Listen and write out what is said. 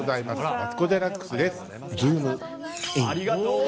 マツコ・デラックスです。